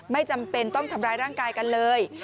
ไม่จำเป็นต้องทำร้ายร่างกายกันเลย